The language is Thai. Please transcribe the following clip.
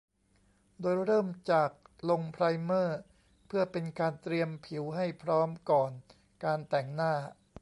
โดยเริ่มจากลงไพรเมอร์เพื่อเป็นการเตรียมผิวให้พร้อมก่อนการแต่งหน้า